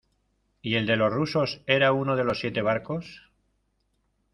¿ y el de los rusos era uno de los siete barcos?